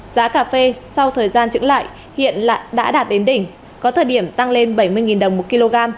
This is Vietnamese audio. giá cà phê sau thời gian trứng lại hiện đã đạt đến đỉnh có thời điểm tăng lên bảy mươi đồng một kg